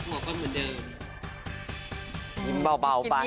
อิ่มเบ้าบ้าเอาไปอิ่มเบ้าบ้าเอาไป